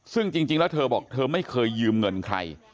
ซึ่งจริงแล้วเธอบอกเธอไม่เคยยืมเงินใคร